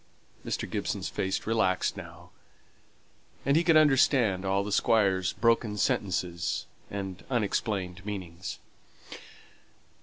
Mr. Gibson's face relaxed now, and he could understand all the Squire's broken sentences and unexplained meanings.